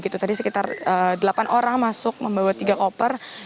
tadi sekitar delapan orang masuk membawa tiga koper